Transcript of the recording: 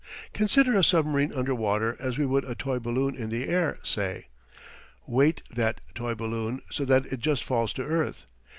Consider a submarine under water as we would a toy balloon in the air, say. Weight that toy balloon so that it just falls to earth.